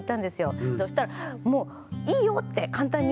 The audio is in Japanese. そしたらもう「いいよ」って簡単に。